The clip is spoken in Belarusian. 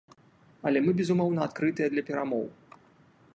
Але мы, безумоўна, адкрытыя для перамоў.